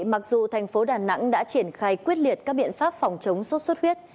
mặc dù thành phố đà nẵng đã triển khai quyết liệt các biện pháp phòng chống sốt xuất huyết